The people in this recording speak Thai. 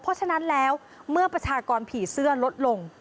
เพราะฉะนั้นแล้วเมื่อประชากรผีเสื้อลดลง